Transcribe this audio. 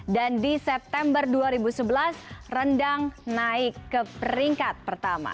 di september dua ribu sebelas rendang naik ke peringkat pertama